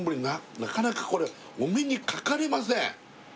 なかなかこれお目にかかれません